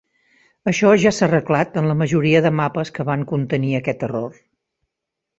Això ja s'ha arreglat en la majoria de mapes que van contenir aquest error.